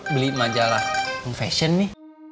beli majalah fashion mi